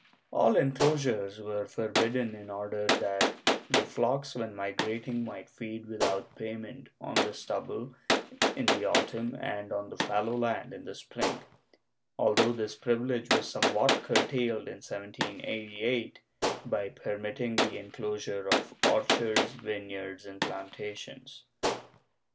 All enclosures were forbidden in order that the flocks when migrating might feed without payment on the stubble in the autumn and on the fallow land in the spring, al though this privilege was somewhat curtailed in 1788 by permitting the enclosure of orchards, vineyards and plantations.